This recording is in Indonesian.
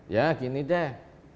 ya gini deh